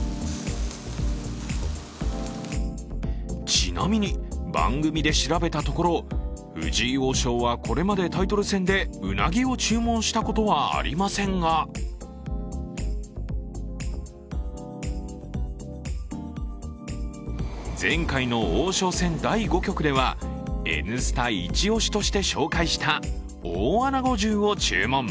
ちなみに、番組で調べたところ、藤井王将はこれまでタイトル戦でうなぎを注文したことはありませんが前回の王将戦第５局では「Ｎスタ」イチオシとして紹介した大穴子重を注文。